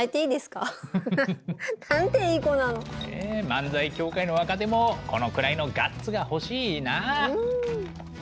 漫才協会の若手もこのくらいのガッツが欲しいなあ。